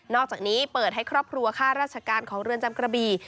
อกจากนี้เปิดให้ครอบครัวค่าราชการของเรือนจำกระบี่